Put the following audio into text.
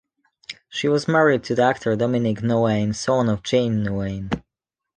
She was married to the actor Dominique Nohain, son of Jean Nohain.